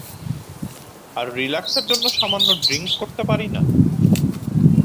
আর রিলাক্সের জন্য সামান্য ড্রিংক করতে পারি না?